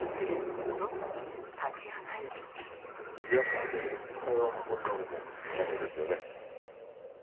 リヤカーで遺体を運んだのもあなたですよね？